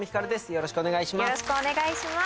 よろしくお願いします。